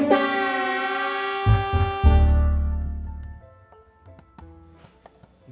kopi tambah gampang